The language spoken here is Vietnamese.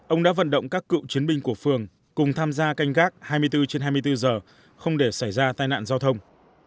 ông đã vận động các cựu chiến binh của phường cùng tham gia canh gác hai mươi bốn trên hai mươi bốn giờ không để xảy ra tai nạn giao thông